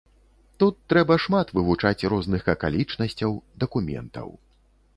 Тут трэба шмат вывучаць розных акалічнасцяў, дакументаў.